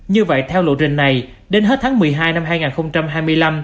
như vậy theo lộ trình này đến hết tháng một mươi hai năm hai nghìn hai mươi năm